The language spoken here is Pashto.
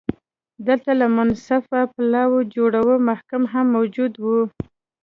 دلته له منصفه پلاوي جوړه محکمه هم موجوده وه